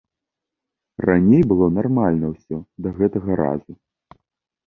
Раней было нармальна ўсё, да гэтага разу.